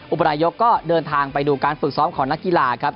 อุปนายกก็เดินทางไปดูการฝึกซ้อมของนักกีฬาครับ